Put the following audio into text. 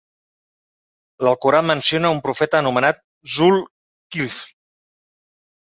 L'Alcorà menciona un profeta anomenat Zul-Kifl.